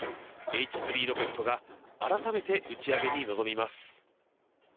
Ｈ３ロケットが改めて打ち上げに臨みます。